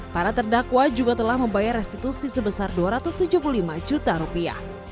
para terdakwa juga telah membayar restitusi sebesar dua ratus tujuh puluh lima juta rupiah